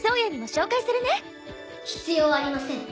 必要ありません。